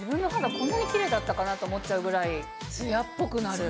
こんなにキレイだったかなと思っちゃうぐらいツヤっぽくなる。